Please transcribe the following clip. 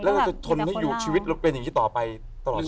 แล้วเราจะทนให้อยู่ชีวิตเราเป็นอย่างนี้ต่อไปตลอดชีวิต